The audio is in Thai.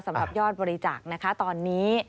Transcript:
สำหรับยอดบริจาคนะคะตอนนี้